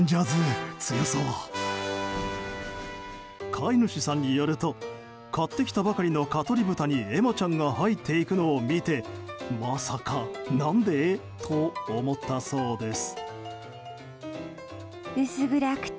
飼い主さんによると買ってきたばかりの蚊取り豚にエマちゃんが入っていくのを見てまさか、何で？と思ったそうです。